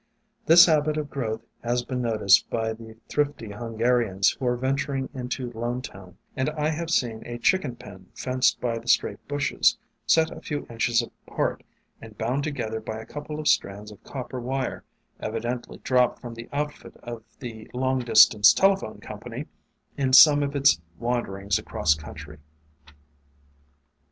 This habit of growth has been noticed by the thrifty Hungarians who are venturing into Lone town, and I have seen a chicken pen, fenced by the straight bushes, set a few inches apart and bound together by a couple of strands of copper wire, evidently dropped from the outfit of the long distance telephone company, in some of its wanderings across country.